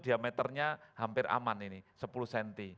diameternya hampir aman ini sepuluh cm